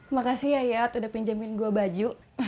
makasih ya ayat udah pinjemin gue baju